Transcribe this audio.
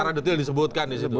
secara detail disebutkan disitu